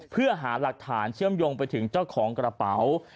เพื่อหาหลักฐานเชื่อมโยงไปถึงเจ้าของกระเป๋า